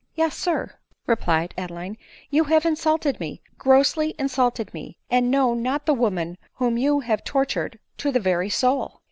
" Yes sir," replied Adeline ;" you have insulted me, grossly insulted me, and know not the woman whom you have tontured to the very soul."